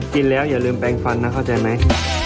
กินแล้วอย่าลืมแปลงฟันนะเข้าใจไหม